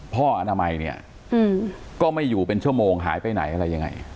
พ่ออนามัยก็ไม่อยู่เป็นชั่วโมงหายไปไหนอะไรอย่างไร